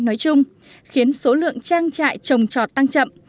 nói chung khiến số lượng trang trại trồng trọt tăng chậm